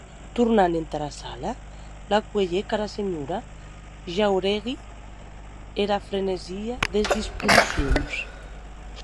Tornant entara sala, la cuelhec ara senhora Jáuregui era frenesia des disposicions.